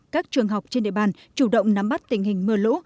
các trường học trên địa bàn chủ động nắm bắt tình hình mưa lũ